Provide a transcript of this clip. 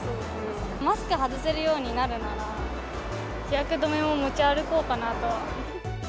マスク外せるようになるなら、日焼け止めを持ち歩こうかなとは。